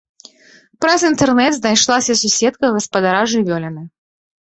Праз інтэрнэт знайшлася суседка гаспадара жывёліны.